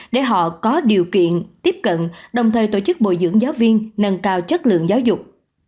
để họ có điều kiện tiếp cận đồng thời tổ chức bồi dưỡng giáo viên nâng cao chất lượng giáo dục